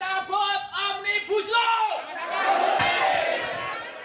kita buat omnibus law